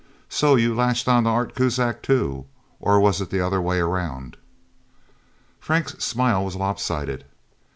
"So you latched onto Art Kuzak, too. Or was it the other way around?" Frank's smile was lopsided.